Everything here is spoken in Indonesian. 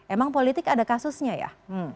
emang politik ada kasusnya ya